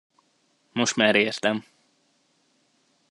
Most már értem.